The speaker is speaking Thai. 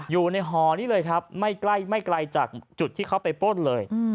อยู่ในหอนี้เลยครับไม่ไกลจากจุดที่เขาไปป้นเลย